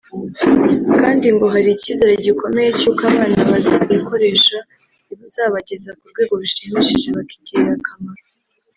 kandi ngo hari icyizere gikomeye cy’uko abana bazarikoresha rizabageza ku rwego rushimishije bakigirira akamaro